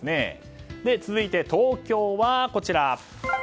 続いて、東京はこちら。